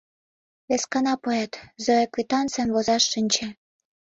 Вескана пуэт, — Зоя квитанцийым возаш шинче.